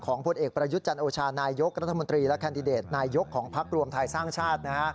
ผลเอกประยุทธ์จันโอชานายกรัฐมนตรีและแคนดิเดตนายกของพักรวมไทยสร้างชาติ